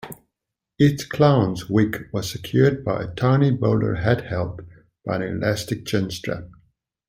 Each clown's wig was secured by a tiny bowler hat held by an elastic chin-strap.